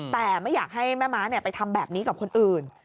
แต่ไม่อยากให้แม่ม้าไปทำแบบนี้กับคนอื่น